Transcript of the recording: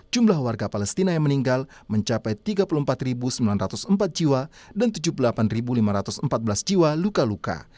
jumlah warga palestina yang meninggal mencapai tiga puluh empat sembilan ratus empat jiwa dan tujuh puluh delapan lima ratus empat belas jiwa luka luka